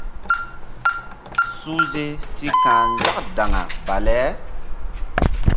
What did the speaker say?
Suhze si ka̧h nzak daŋa bale.